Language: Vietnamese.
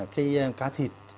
cái cá thịt